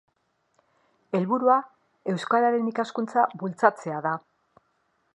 Helburua euskararen ikaskuntza bultzatzea da.